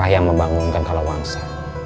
siapa yang membangunkan kalawangsa